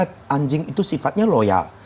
anjing itu sifatnya loyal